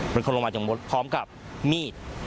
เป็นคนลงมาจากรถพร้อมกับมีด